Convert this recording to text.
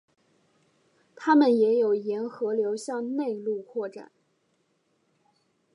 它们也有沿河流向内陆扩展。